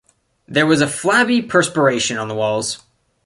There was a flabby perspiration on the walls.